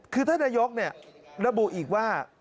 คือท่านนายกระบุอีกว่า